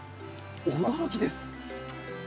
驚きです。